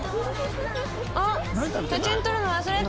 あっ！